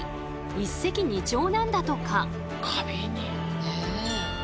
一石二鳥なんだとか。